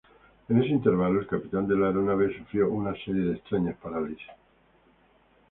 En ese intervalo, el capitán de la aeronave sufrió una serie de extrañas parálisis.